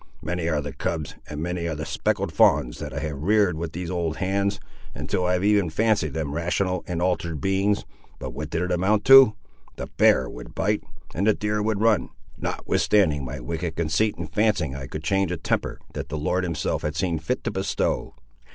Many are the cubs, and many are the speckled fawns that I have reared with these old hands, until I have even fancied them rational and altered beings—but what did it amount to? the bear would bite, and the deer would run, notwithstanding my wicked conceit in fancying I could change a temper that the Lord himself had seen fit to bestow.